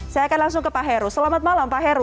saya akan langsung ke pak heru selamat malam pak heru